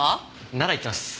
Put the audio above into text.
奈良行ってます。